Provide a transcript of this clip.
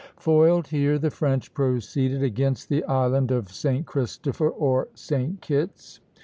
Foiled here, the French proceeded against the island of St. Christopher, or St. Kitt's (Plate XVIII.).